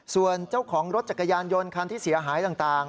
ส่วนเจ้าของรถจักรยานยนต์คันที่เสียหายต่าง